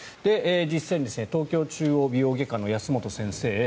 実際に東京中央美容外科の安本先生